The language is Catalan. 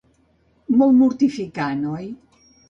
Molt mortificant, oi?